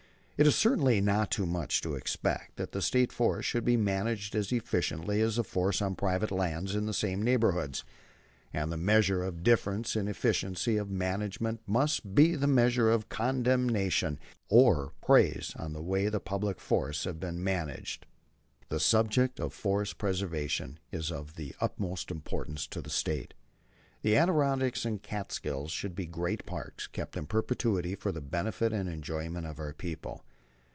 It is certainly not too much to expect that the State forests should be managed as efficiently as the forests on private lands in the same neighborhoods. And the measure of difference in efficiency of management must be the measure of condemnation or praise of the way the public forests have been managed. "The subject of forest preservation is of the utmost importance to the State. The Adirondacks and Catskills should be great parks kept in perpetuity for the benefit and enjoyment of our people.